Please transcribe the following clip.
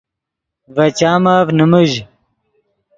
ڤے چامف نیمیژ